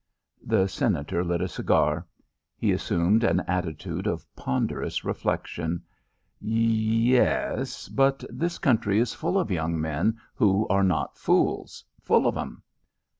The Senator lit a cigar. He assumed an attitude of ponderous reflection. "Y yes, but this country is full of young men who are not fools. Full of 'em."